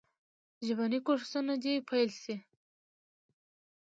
ژبني کورسونه دي پیل سي.